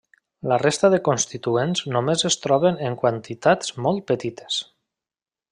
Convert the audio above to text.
La resta de constituents només es troben en quantitats molt petites.